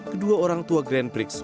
kedua orang tua grant briggs